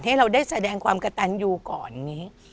ให้เราได้แสดงความกระตันอยู่ก่อน